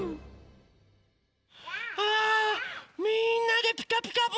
あみんなで「ピカピカブ！」